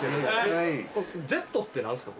「Ｚ」って何すか？